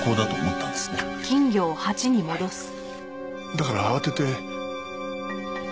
だから慌てて。